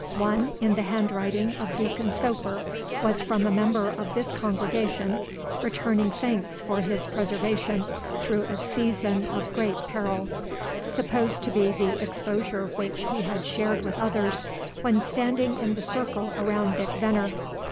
One, in the handwriting of Deacon Soper, was from a member of this congregation, returning thanks for his preservation through a season of great peril, supposed to be the exposure which he had shared with others, when standing in the circle around Dick Veneer.